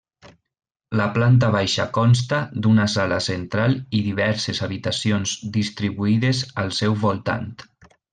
La planta baixa consta d'una sala central i diverses habitacions distribuïdes al seu voltant.